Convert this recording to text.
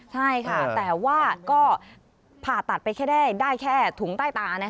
ใช่ค่ะแต่ว่าก็ผ่าตัดไปแค่ได้แค่ถุงใต้ตา